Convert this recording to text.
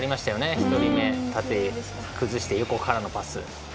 １人目を縦で崩して横からのパス。